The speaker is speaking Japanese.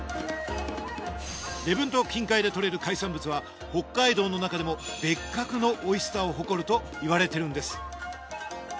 礼文島近海で獲れる海産物は北海道の中でも別格のおいしさを誇るといわれてるんです